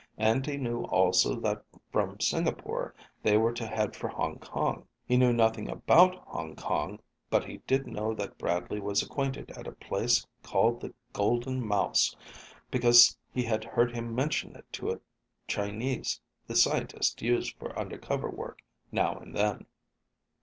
And he knew also that from Singapore they were to head for Hong Kong. He knew nothing about Hong Kong, but he did know that Bradley was acquainted at a place called the Golden Mouse because he had heard him mention it to a Chinese the scientist used for undercover work now and then.